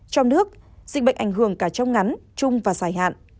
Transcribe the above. trong nước dịch bệnh ảnh hưởng cả trong ngắn chung và dài hạn